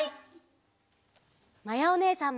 まやおねえさんも！